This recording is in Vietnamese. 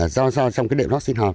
do do trong cái đệm lót sinh học